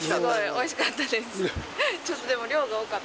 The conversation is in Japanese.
おいしかったです。